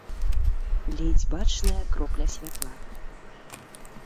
Ледзь бачная кропля святла.